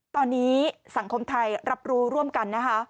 ตอนนี้สังคมไทยรับรู้ร่วมกันนะคะ